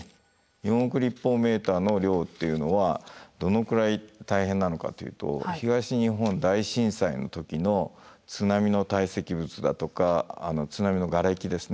４億立方メーターの量っていうのはどのくらい大変なのかというと東日本大震災の時の津波の堆積物だとか津波のがれきですね